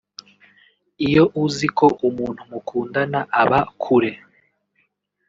Iyo uziko umuntu mukundana aba kure